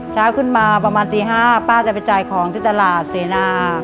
เช้าขึ้นมาประมาณตี๕ป้าจะไปจ่ายของที่ตลาดเสนา